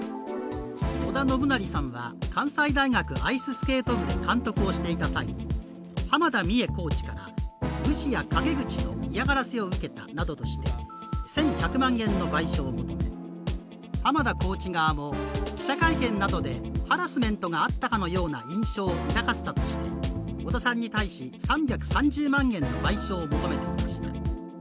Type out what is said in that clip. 織田信成さんは関西大学アイススケート部で監督をしていた際に、濱田美栄コーチから無視や陰口などの嫌がらせを受けたなどとして１１００万円の賠償を求め、濱田コーチ側も記者会見などでハラスメントがあったかのような印象を抱かせたとして、織田さんに対す３３０万円の賠償を求めていました。